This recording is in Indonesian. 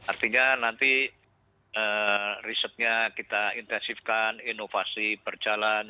artinya nanti risetnya kita intensifkan inovasi berjalan